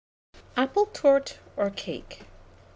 APPLE TOURTE OR CAKE.